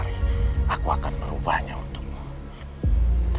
saya tadi bertemu just seit sembilan jam leader